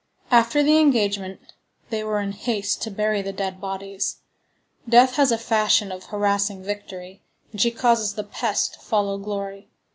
After the engagement, they were in haste to bury the dead bodies. Death has a fashion of harassing victory, and she causes the pest to follow glory.